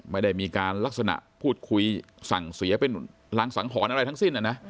ไม่ได้มีการลักษณะพูดคุยสั่งเสียเป็นรังสังหรณ์อะไรทั้งสิ้น